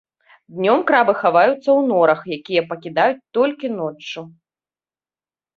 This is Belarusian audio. Днём крабы хаваюцца ў норах, якія пакідаюць толькі ноччу.